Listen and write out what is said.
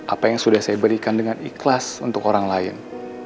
apa yang sudah saya berikan dengan ikhlas untuk orang lain